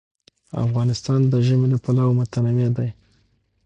افغانستان د ژمی له پلوه متنوع دی.